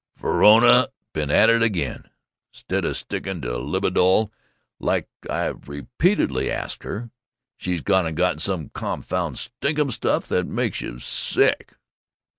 "Verona been at it again! 'Stead of sticking to Lilidol, like I've re peat ed ly asked her, she's gone and gotten some confounded stinkum stuff that makes you sick!"